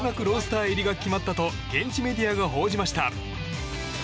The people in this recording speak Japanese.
ロースター入りが決まったと現地メディアが報じました。